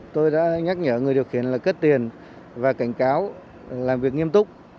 tôi đã nhắc nhở người điều khiển là cất tiền và cảnh cáo làm việc nghiêm túc